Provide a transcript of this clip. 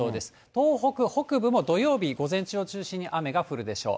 東北北部も土曜日、午前中を中心に雨が降るでしょう。